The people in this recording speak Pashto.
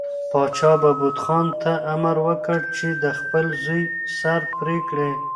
پاچا بهبود خان ته امر وکړ چې د خپل زوی سر پرې کړي.